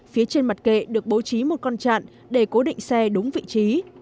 phía trên mặt kệ được bố trí một con chặn để cố định xe đúng vị trí